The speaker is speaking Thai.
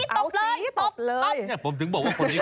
เอาสีตบเลยตบ